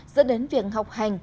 dẫn đến việc học hành